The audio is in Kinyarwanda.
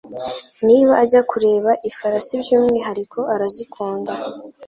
Niba ajya kureba ifarasi By'umwihariko arazikunda